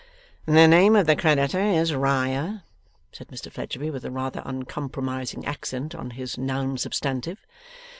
'The name of the Creditor is Riah,' said Mr Fledgeby, with a rather uncompromising accent on his noun substantive.